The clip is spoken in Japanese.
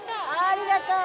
ありがとう！